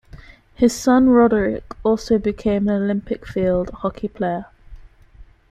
His son Roderik also became an Olympic field hockey player.